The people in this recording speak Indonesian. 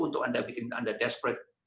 untuk anda bikin anda desperate